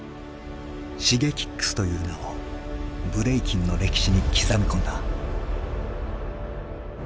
Ｓｈｉｇｅｋｉｘという名をブレイキンの歴史に刻み込んだ。